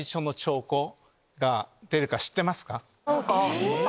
えっ？